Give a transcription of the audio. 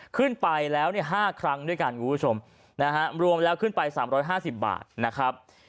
ขึ้นไปแล้วเนี่ย๕ครั้งด้วยกันคุณผู้ชมนะฮะรวมแล้วขึ้นไป๓๕๐บาทนะครับ